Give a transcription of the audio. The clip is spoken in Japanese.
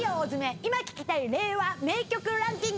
今聴きたい令和名曲ランキング